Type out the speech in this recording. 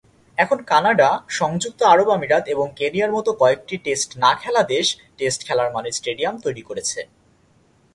এখন কানাডা, সংযুক্ত আরব আমিরাত এবং কেনিয়ার মতো কয়েকটি টেস্ট না খেলা দেশ, টেস্ট খেলার মানের স্টেডিয়াম তৈরি করেছে।